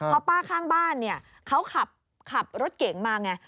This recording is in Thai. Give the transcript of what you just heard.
เพราะป้าข้างบ้านเนี่ยเขาขับรถเก่งมาไง